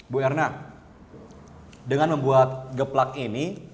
bu erna dengan membuat geplak ini